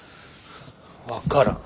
分からん。